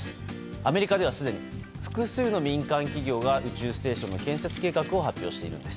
アメリカではすでに複数の民間企業が宇宙ステーションの建設計画を発表しているんです。